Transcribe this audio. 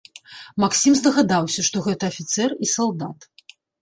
Максім здагадаўся, што гэта афіцэр і салдат.